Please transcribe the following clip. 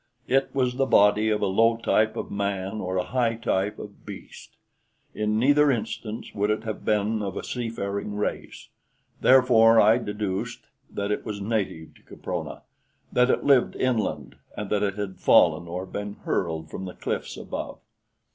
It was the body of a low type of man or a high type of beast. In neither instance would it have been of a seafaring race. Therefore I deduced that it was native to Caprona that it lived inland, and that it had fallen or been hurled from the cliffs above.